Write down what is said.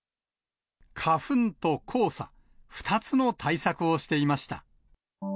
花粉と黄砂、２つの対策をしていました。